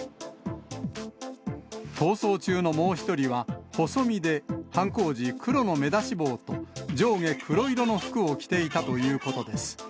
逃走中のもう１人は、細身で、犯行時、黒の目出し帽と、上下黒色の服を着ていたということです。